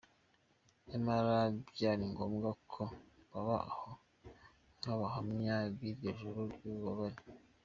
Nyamara byari ngombwa ko baba aho nk’abahamya b’iryo joro ry’ububabare.